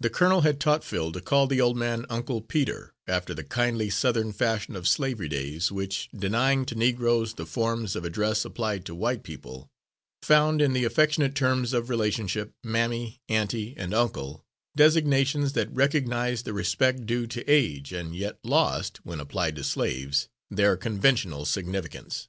The colonel had taught Phil to call the old man "Uncle Peter," after the kindly Southern fashion of slavery days, which, denying to negroes the forms of address applied to white people, found in the affectionate terms of relationship Mammy, Auntie and Uncle designations that recognised the respect due to age, and yet lost, when applied to slaves, their conventional significance.